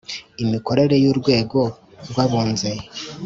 Imikorere y urwego rw abunzi